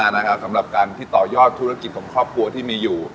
สนใจมากนะคะสำหรับการพิต่อยอดธุรกิจของครอบครัวที่มีอยู่